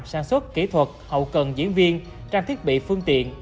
sản xuất kỹ thuật hậu cần diễn viên trang thiết bị phương tiện